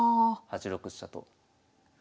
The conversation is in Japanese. ８六飛車と。